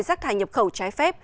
rác thải nhập khẩu trái phép